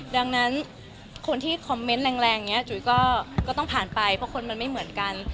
ดังนั้นคนที่คอมเมนต์แรงอย่างนี้จุ๋ยก็ต้องผ่านไปเพราะคนมันไม่เหมือนกัน